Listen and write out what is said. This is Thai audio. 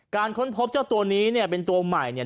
ค้นพบเจ้าตัวนี้เนี่ยเป็นตัวใหม่เนี่ย